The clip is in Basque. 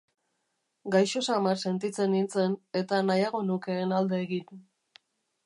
Gaixo samar sentitzen nintzen, eta nahiago nukeen alde egin.